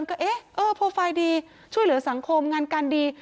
ก็เอ๊ะเออโปรไฟล์ดีช่วยเหลือสังคมงานการดี